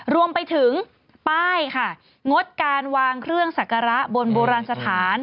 รวมไปถึงป้ายค่ะงดการวางเครื่องสักการะบนโบราณสถาน